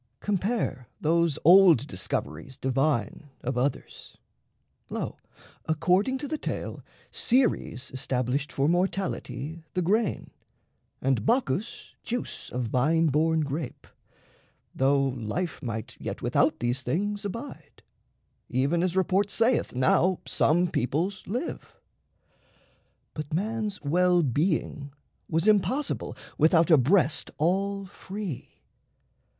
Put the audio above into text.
Compare those old discoveries divine Of others: lo, according to the tale, Ceres established for mortality The grain, and Bacchus juice of vine born grape, Though life might yet without these things abide, Even as report saith now some peoples live. But man's well being was impossible Without a breast all free.